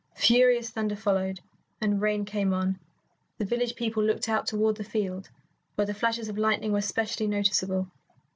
Furious thunder followed, and rain came on. The village people looked out toward the field, where the flashes of lightning were specially noticeable.